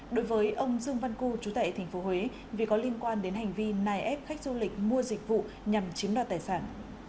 đối với ông dương văn cư trú tại tp huế vì có liên quan đến hành vi nài ép khách du lịch mua dịch vụ nhằm chiếm đoạt tài sản